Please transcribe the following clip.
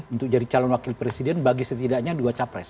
untuk jadi calon wakil presiden bagi setidaknya dua capres